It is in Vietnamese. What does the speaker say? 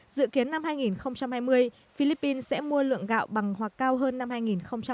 dự kiến năm hai nghìn hai mươi philippines sẽ mua lượng gạo bằng hoặc cao hơn năm hai nghìn hai mươi